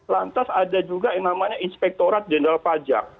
lantas ada juga yang namanya inspektorat jenderal pajak